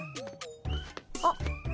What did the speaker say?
あっ。